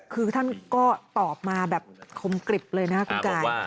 คือท่านก็ตอบมาแบบคมกริบเลยนะคุณกาย